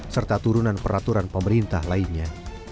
serta turunan peraturan pemerintah lainnya